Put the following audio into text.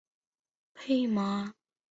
浙江宁波人。